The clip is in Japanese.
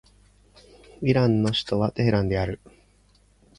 イランの首都はテヘランである